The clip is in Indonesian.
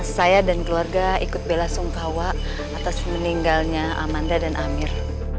saya dan keluarga ikut bela sungkawa atas meninggalnya amanda dan amir